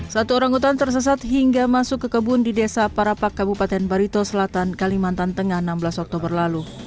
satu orang hutan tersesat hingga masuk ke kebun di desa parapak kabupaten barito selatan kalimantan tengah enam belas oktober lalu